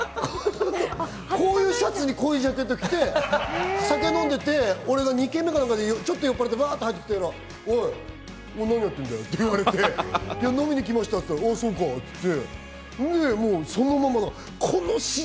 こういうシャツにこういうジャケット着て、酒飲んでて、これが２軒目かなんかで、ちょっと酔っぱらってバって入ってったら、おい、お前何やってんだよって言われて、飲みにきましたって言ったら、おぉそうかって。